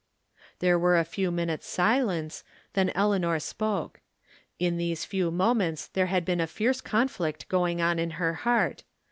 There were a few moments' silence, then Elea nor spoke. In those few moments there had been a fierce conflict going on in her heart.